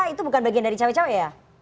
itu bukan bagian dari cawai cawai ya